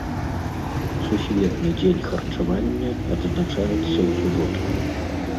Сусветны дзень харчавання адзначаецца ў суботу.